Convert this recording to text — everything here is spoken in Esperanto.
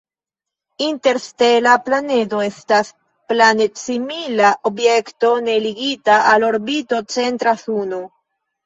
Interstela planedo estas planed-simila objekto ne ligita al orbito-centra suno.